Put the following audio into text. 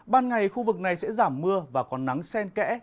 ban ngày khu vực này sẽ giảm mưa và có nắng sen kẽ